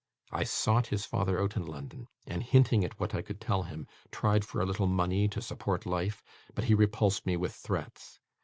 I sought his father out in London, and hinting at what I could tell him, tried for a little money to support life; but he repulsed me with threats.